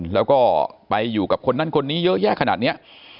แล้วก็ไปอยู่กับคนนั้นคนนี้เยอะแยะขนาดนี้